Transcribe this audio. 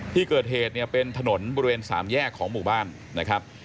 ที่เกิดเหตุเนี่ยเป็นถนนบริเวณสามแยกของหมู่บ้านนะครับ